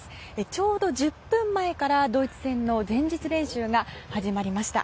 ちょうど１０分前からドイツ戦の前日練習が始まりました。